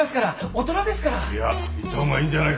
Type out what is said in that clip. いや行った方がいいんじゃないか？